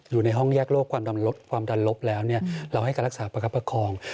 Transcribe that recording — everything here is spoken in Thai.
อยู่ในห้องแยกโลกความดันลบแล้วเราให้การรักษาประคับประคอง